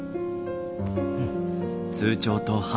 うん。